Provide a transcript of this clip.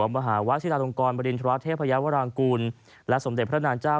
มหาวชิลาลงกรบริณฑราเทพยาวรางกูลและสมเด็จพระนางเจ้า